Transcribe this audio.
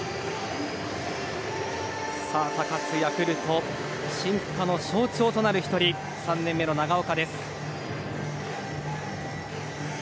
さあ、高津ヤクルト進化の象徴となる１人３年目の長岡です。